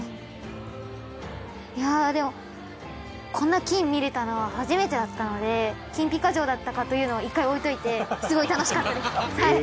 いやあでもこんな金見れたのは初めてだったので金ピカ城だったかというのは１回置いておいてすごい楽しかったですはい。